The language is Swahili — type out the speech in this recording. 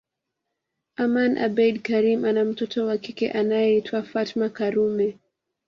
Aman abeid Karim ana mtoto wa kike anayeitwa Fatma Karume